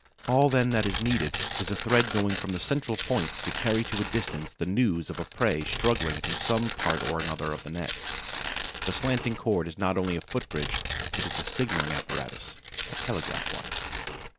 All then that is needed is a thread going from this central point to carry to a distance the news of a prey struggling in some part or other of the net. The slanting cord is not only a foot bridge: it is a signaling apparatus, a telegraph wire.